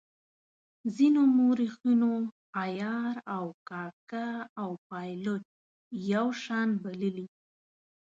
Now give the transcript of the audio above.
ځینو مورخینو عیار او کاکه او پایلوچ یو شان بللي.